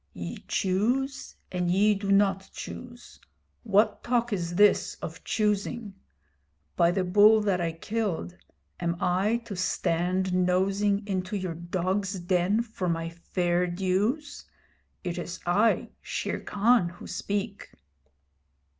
'Ye choose and ye do not choose! What talk is this of choosing? By the bull that I killed, am I to stand nosing into your dog's den for my fair dues? It is I, Shere Khan, who speak!'